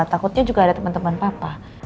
takutnya juga ada temen temen papa